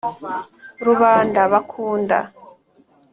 rubanda bakunda